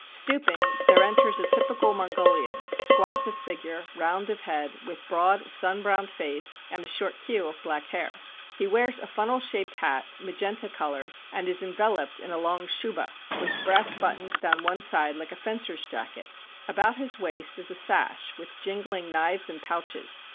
Stooping, there enters a typical Mongolian, squat of figure, round of head, with broad sunbrowned face and a short queue of black hair. He wears a funnel shaped hat, magenta colored, and is enveloped in a long shuba, with brass buttons down one side like a fencer's jacket. About his waist is a sash with jingling knives and pouches.